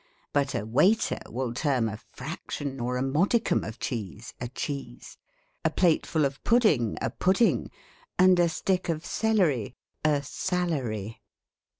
But a waiter will term a fraction, or a modicum of cheese, a cheese ; a plate full of pudding, a pudding ; and a stick of celery, a salary.